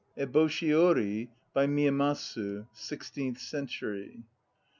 EBOSHI ORI By MIYAMASU (sixteenth century?